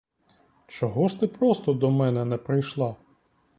Чого ж ти просто до мене не прийшла?